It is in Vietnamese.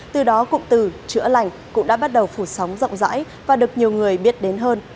từ đó cụm từ chữa lành cũng đã bắt đầu phủ sóng rộng rãi và được nhiều người biết đến hơn